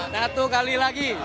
satu kali lagi